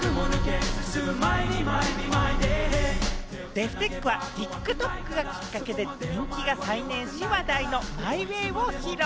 ＤｅｆＴｅｃｈはＴｉｋＴｏｋがきっかけで人気が再燃し話題の『ＭｙＷａｙ』を披露。